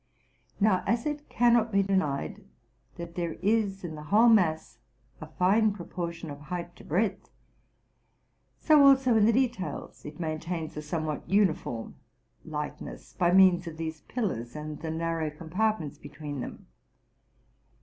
Now, as it cannot be denied that there is in the whole mass a fine proportion of height to breadth, so also in the details it maintains a somewhat uniform lightness by means of these pillars and the narrow compartments between them.